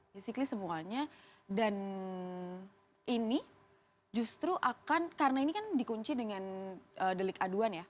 basically semuanya dan ini justru akan karena ini kan dikunci dengan delik aduan ya